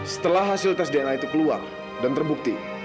setelah hasil tes dna itu keluar dan terbukti